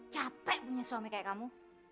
capek punya suami kayak kamu